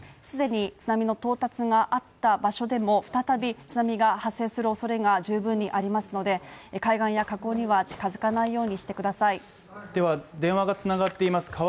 既に津波の到達があった場所でも再び津波が発生する恐れが十分にありますので海岸や河口には近づかないようにしてくださいでは、電話が繋がっています